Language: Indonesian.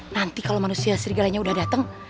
nanti kalau manusia serigalanya sudah datang